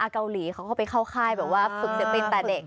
เกาหลีเขาก็ไปเข้าค่ายแบบว่าฝึกศิลปินแต่เด็ก